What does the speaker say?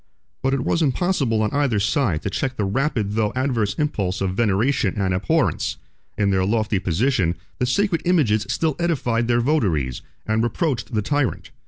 But it was impossible on either side to check the rapid through adverse impulse of veneration and abhorrence: in their lofty position, the sacred images still edified their votaries, and reproached the tyrant.